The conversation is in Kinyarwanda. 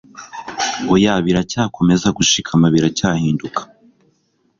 oya biracyakomeza gushikama, biracyahinduka